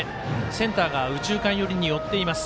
センターが右中間寄りに寄っています。